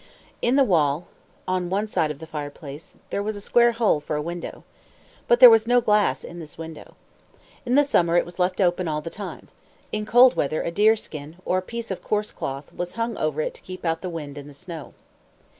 In the wall, on one side of the fireplace, there was a square hole for a window. But there was no glass in this window. In the summer it was left open all the time. In cold weather a deerskin, or a piece of coarse cloth, was hung over it to keep out the wind and the snow.